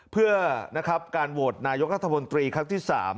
เพื่อนะครับการโหวดนายกฎมตรีครั้งที่สาม